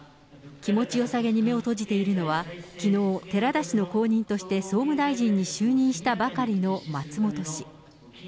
気持ちよさげに目を閉じているのは、きのう、寺田氏の後任として総務大臣に就任したばかりの松本氏。